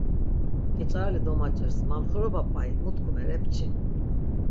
Geç̆areli domaç̆irs, mamxiroba p̆ai, mu tkumer epçi?